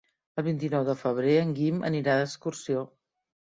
El vint-i-nou de febrer en Guim anirà d'excursió.